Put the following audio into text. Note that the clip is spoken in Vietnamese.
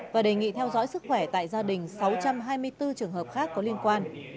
và đề nghị theo dõi sức khỏe tại gia đình sáu trăm hai mươi bốn trường hợp khác có liên quan